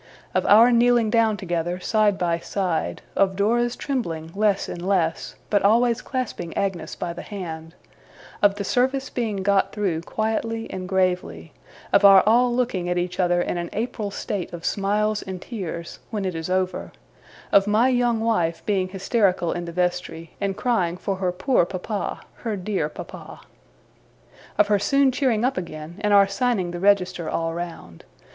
Of our kneeling down together, side by side; of Dora's trembling less and less, but always clasping Agnes by the hand; of the service being got through, quietly and gravely; of our all looking at each other in an April state of smiles and tears, when it is over; of my young wife being hysterical in the vestry, and crying for her poor papa, her dear papa. Of her soon cheering up again, and our signing the register all round.